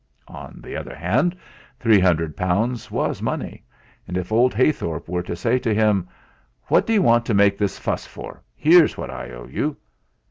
On the other hand, three hundred pounds was money; and, if old Heythorp were to say to him: "What do you want to make this fuss for here's what I owe you!"